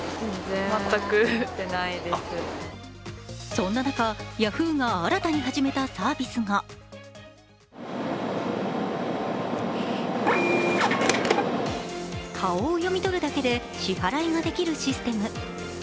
そんな中、ヤフーが新たに始めたサービスが顔を読み取るだけで支払いができるシステム。